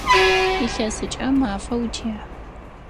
Илъэсыкӏэ мафэ утехь!